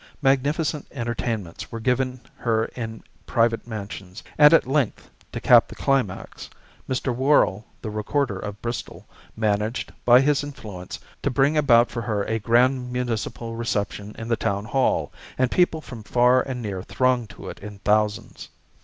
Magnificent entertainments were given her in private mansions; and at length, to cap the climax, Mr. Worrall, the Recorder of Bristol, managed, by his influence, to bring about for her a grand municipal reception in the town hall, and people from far and near thronged to it in thousands.